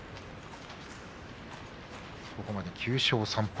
ここまで９勝３敗。